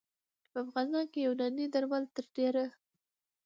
په افغانستان کې یوناني درمل تر ډېره